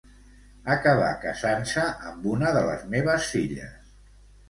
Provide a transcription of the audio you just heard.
Acabà casant-se amb una de les meves filles.